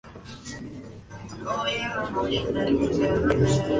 Algunos de los mejores ejemplos del expresionismo en ladrillo están en Hamburgo.